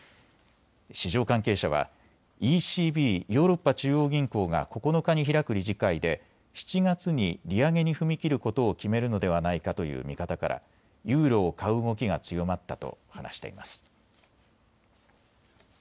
市場関係者はＥＣＢ・ヨーロッパ中央銀行が９日に開く理事会で７月に利上げに踏み切ることを決めるのではないかという見方からユーロを買う動きが強まったと話しています。